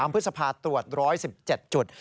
พฤษภาตรวจ๑๑๗จุด